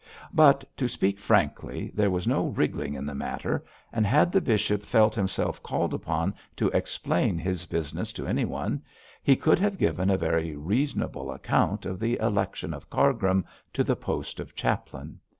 But, to speak frankly, there was no wriggling in the matter, and had the bishop felt himself called upon to explain his business to anyone, he could have given a very reasonable account of the election of Cargrim to the post of chaplain.